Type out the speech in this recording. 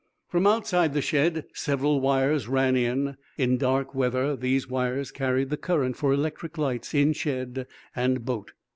From outside the shed several wires ran in. In dark weather these wires carried the current for electric lights in shed and boat.